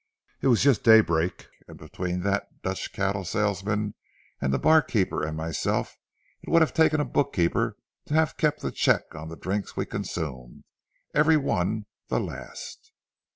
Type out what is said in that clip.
It was just daybreak, and between that Dutch cattle salesman and the barkeeper and myself, it would have taken a bookkeeper to have kept a check on the drinks we consumed—every one the last.